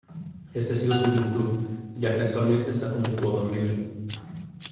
Ese ha sido su último club, ya que actualmente está como jugador libre.